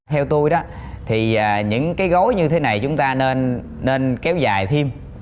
theo tôi đó thì những cái gối như thế này chúng ta nên kéo dài thêm